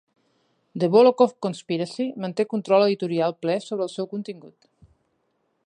"The Volokh Conspiracy" manté control editorial ple sobre el seu contingut.